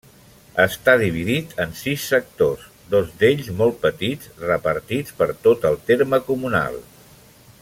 Està dividit en sis sectors, dos d'ells molt petits, repartits per tot el terme comunal.